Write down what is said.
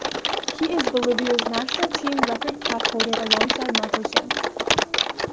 He is Bolivia's national team record cap holder alongside Marco Sandy.